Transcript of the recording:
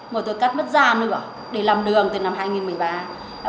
một tôi cắt mất da nữa để làm đường từ năm hai nghìn một mươi ba